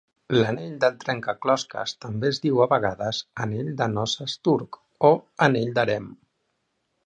L'anell del trencaclosques també es diu a vegades "anell de noces turc" o "anell d'harem".